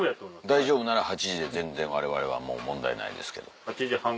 大丈夫なら８時で全然われわれは問題ないですけど。